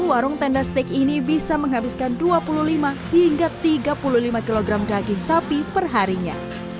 warung tenda steak ini bisa menghabiskan dua puluh lima hingga tiga puluh lima kg daging sapi perharinya